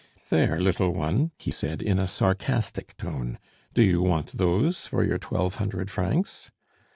"There, little one," he said in a sarcastic tone, "do you want those for your twelve hundred francs?"